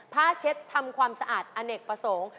เช็ดทำความสะอาดอเนกประสงค์